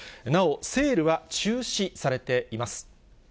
セールは中止されています。